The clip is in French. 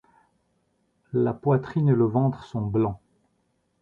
La poitrine et le ventre sont blancs.